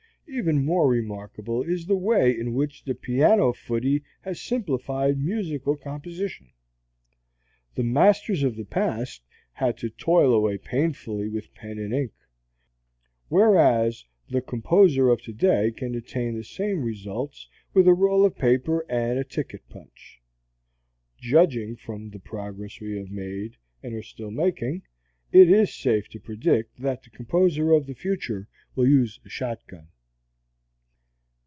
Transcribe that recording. Even more remarkable is the way in which the piano footy has simplified musical composition. The masters of the past had to toil away painfully with pen and ink; whereas the composer of today can attain the same results with a roll of paper and a ticket punch. Judging from the progress we have made and are still making, it is safe to predict that the composer of the future will use a shotgun.